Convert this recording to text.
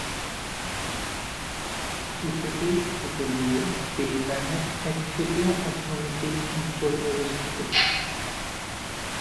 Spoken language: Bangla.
উপকূল থেকে দূরে ফিলিপাইনের একচেটিয়া অর্থনৈতিক অঞ্চল অবস্থিত।